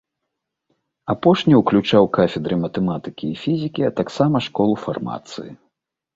Апошні ўключаў кафедры матэматыкі і фізікі, а таксама школу фармацыі.